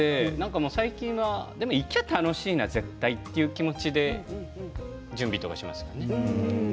最近は行きゃ楽しいな絶対という気持ちで準備とかしますね。